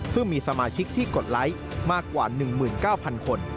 ซึ่งมีสมาชิกที่กดไลค์มากกว่า๑๙๐๐คน